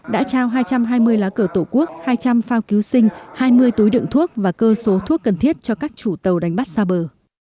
đã trao hai trăm hai mươi lá cờ tổ quốc hai trăm linh phao cứu sinh hai mươi túi đựng thuốc và cơ số thuốc cần thiết cho các chủ tàu đánh bắt xa bờ